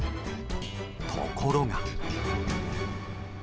ところが。